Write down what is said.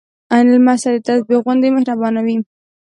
لمسی د تسبېح غوندې مهربانه وي.